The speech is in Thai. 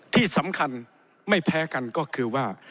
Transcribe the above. ที่สำคัญไม่แพ้กันก็คือว่า